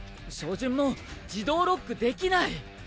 照準も自動ロックできない。